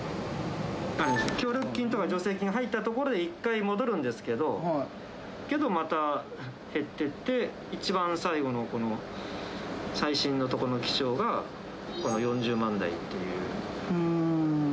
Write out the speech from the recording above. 協力金とか助成金が入ったところで、一回戻るんですけど、けどまた、減ってって、一番最後の最新のところの記帳が、この４０万台という。